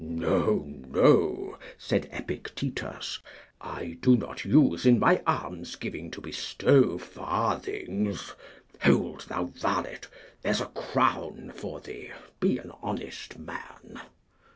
No, no, said Epictetus, I do not use in my almsgiving to bestow farthings. Hold, thou varlet, there's a crown for thee; be an honest man.